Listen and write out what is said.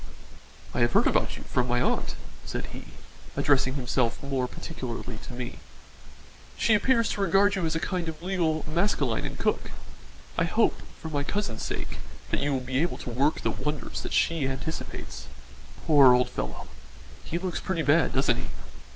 "I have heard about you from my aunt," said he, addressing himself more particularly to me. "She appears to regard you as a kind of legal Maskelyne and Cooke. I hope, for my cousin's sake, that you will be able to work the wonders that she anticipates. Poor old fellow! He looks pretty bad, doesn't he?"